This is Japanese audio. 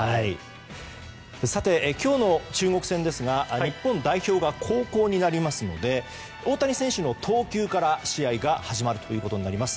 さて、今日の中国戦ですが日本代表が後攻になりますので大谷選手の投球から試合が始まります。